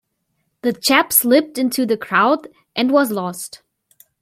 The chap slipped into the crowd and was lost.